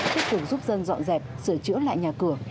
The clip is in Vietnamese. thích phục giúp dân dọn dẹp sửa chữa lại nhà cửa